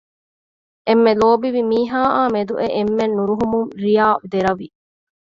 އެންމެ ލޯބިވި މީހާއާ މެދު އެ އެންމެން ނުރުހުމުން ރިޔާ ދެރަވި